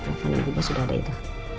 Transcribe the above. telepon ibu gue sudah ada itu